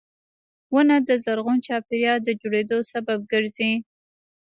• ونه د زرغون چاپېریال د جوړېدو سبب ګرځي.